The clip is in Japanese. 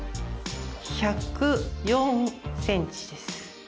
１０４ｃｍです。